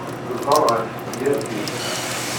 Teẓẓel ɣef tgertilt.